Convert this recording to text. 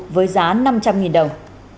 với giá năm trăm linh đồng